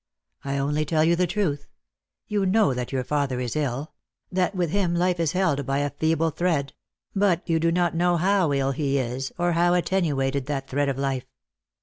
" I only tell you the truth. You know that your father is ill; that with him life is held by a feeble thread; but you do not know how ill he is, or how attenuated that thread of life.